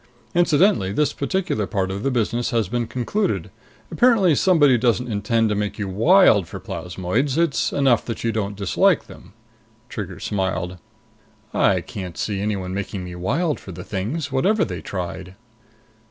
Incidentally, this particular part of the business has been concluded. Apparently, somebody doesn't intend to make you wild for plasmoids. It's enough that you don't dislike them." Trigger smiled. "I can't see anyone making me wild for the things, whatever they tried!"